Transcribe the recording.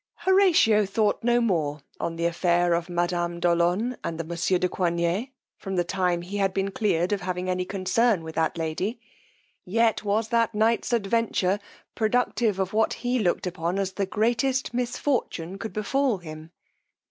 Horatio thought no more on the affair of madame de Olonne and monsieur de Coigney, from the time he had been cleared of having any concern with that lady, yet was that night's adventure productive of what he looked upon as the greatest misfortune could befal him.